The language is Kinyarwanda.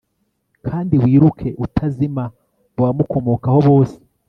Kandi wiruke utazima mu bamukomokaho bose